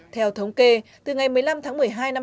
theo thống kê từ ngày một mươi năm tháng một mươi năm